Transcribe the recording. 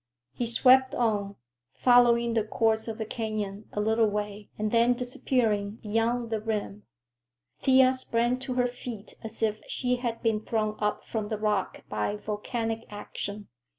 He swept on, following the course of the canyon a little way and then disappearing beyond the rim. Thea sprang to her feet as if she had been thrown up from the rock by volcanic action.